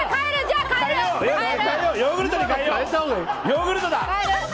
ヨーグルトだ！